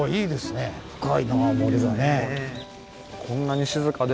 深いなあ森がね。